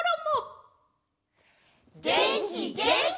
げんきげんき！